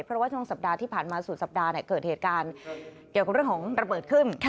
เพราะว่าช่วงสัปดาห์ที่ผ่านมาสุดสัปดาห์เกิดเหตุการณ์เกี่ยวกับเรื่องของระเบิดขึ้น